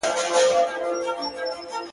په مشوکه کي مي زېری د اجل دئ-